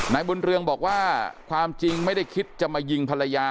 นายบุญเรืองบอกว่าความจริงไม่ได้คิดจะมายิงภรรยา